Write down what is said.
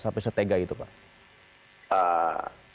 sampai setega itu pak